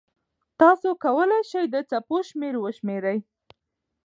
تاسو کولای سئ د څپو شمېر وشمېرئ.